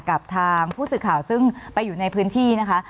กับทางผู้สื่อข่าวซึ่งไปอยู่ในพื้นที่นะคะ